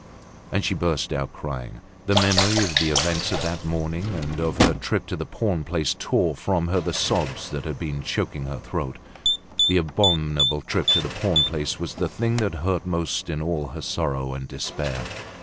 And she burst out crying. The memory of the events of that morning and of her trip to the pawn place tore from her the sobs that had been choking her throat. That abominable trip to the pawn place was the thing that hurt most in all her sorrow and despair.